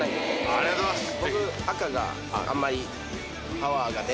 ありがとうございます。